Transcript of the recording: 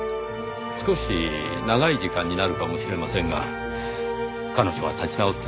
少し長い時間になるかもしれませんが彼女が立ち直ってくれる事を見守りましょう。